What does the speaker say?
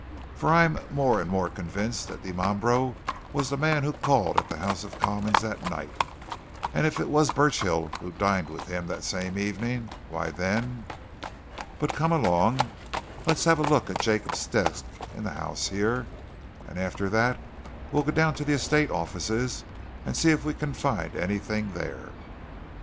For I'm more and more convinced that Dimambro was the man who called at the House of Commons that night, and if it was Burchill who dined with him that same evening, why, then but come along, let's have a look at Jacob's desk in the house here, and after that we'll go down to the estate offices and see if we can find anything there."